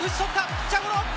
ピッチャーゴロ。